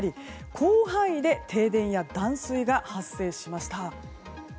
広範囲で停電や断水が発生しました。